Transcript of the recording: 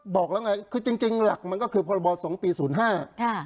บอกแล้วไงคือจริงจริงหลักมันก็คือพรบสงฆ์ปีศูนย์ห้าค่ะ